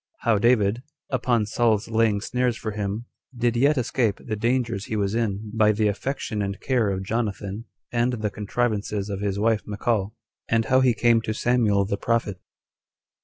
How David, Upon Saul's Laying Snares For Him, Did Yet Escape The Dangers He Was In By The Affection And Care Of Jonathan And The Contrivances Of His Wife Michal: And How He Came To Samuel The Prophet.